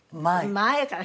前から？